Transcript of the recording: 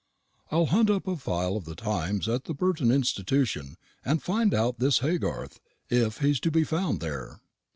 I'll hunt up a file of the Times at the Burton Institution, and find out this Haygarth, if he is to be found there."